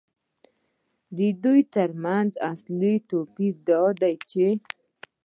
د دوی ترمنځ اصلي توپیر دا دی چې